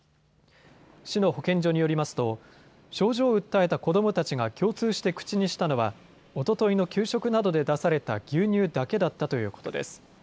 市の保健所によりますと症状を訴えた子どもたちが共通して口にしたのはおとといの給食などで出された牛乳だけだったということです。